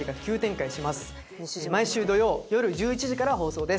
毎週土曜よる１１時から放送です。